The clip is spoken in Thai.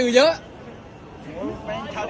รับทราบ